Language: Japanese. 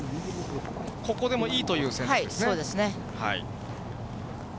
ここでもいいという選択ですね。